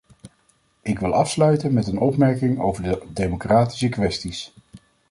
Ik wil afsluiten met een opmerking over de democratische kwesties.